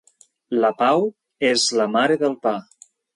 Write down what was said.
La pau és la mare del pa.